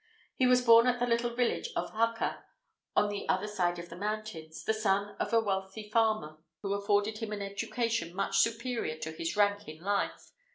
He was born at the little village of Jacca, on the other side of the mountains, the son of a wealthy farmer, who afforded him an education much superior to his rank in life.